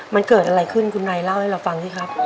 มันเกิดอะไรขึ้นคุณนายเล่าให้เราฟังสิครับ